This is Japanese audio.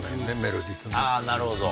あぁなるほど。